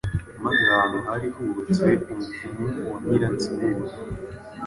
maze ahantu hari hubatse umupfumu wa Nyiransibura